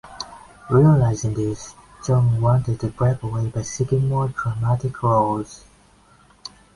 Realizing this, Cheung wanted to break away by seeking more dramatic roles.